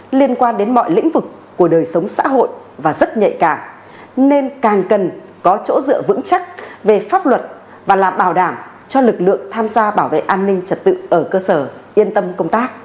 đối với mọi lĩnh vực của đời sống xã hội và rất nhạy càng nên càng cần có chỗ dựa vững chắc về pháp luật và làm bảo đảm cho lực lượng tham gia bảo vệ an ninh trật tự ở cơ sở yên tâm công tác